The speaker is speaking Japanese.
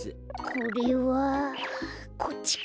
これはこっちか。